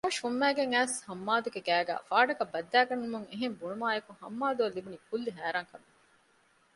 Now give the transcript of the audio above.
އަރާޝް ފުންމައިގެން އައިސް ހައްމާދުގެ ގައިގައި ފާޑަކަށް ބައްދައިގަންނަމުން އެހެން ބުނުމާއެކު ހައްމާދުއަށް ލިބުނީ ކުއްލި ހައިރާންކަމެއް